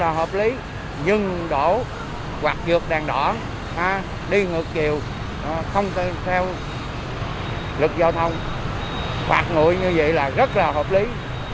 rất là hợp lý nhưng đổ hoạt dược đèn đỏ đi ngược chiều không theo lực giao thông hoạt nguội như vậy là rất là hợp lý